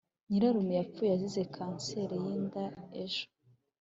nyirarume yapfuye azize kanseri yinda ejo.